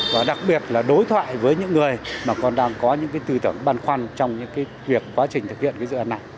và đặc biệt là đối thoại với những người mà còn đang có những tư tưởng băn khoăn trong những cái việc quá trình thực hiện cái dự án này